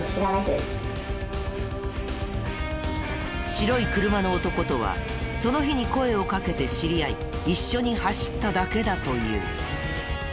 白い車の男とはその日に声を掛けて知り合い一緒に走っただけだという。